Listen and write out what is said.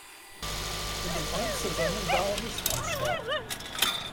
In den Einzelrennen war er nicht am Start.